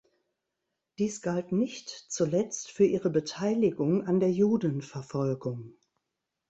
Dies galt nicht zuletzt für ihre Beteiligung an der Judenverfolgung.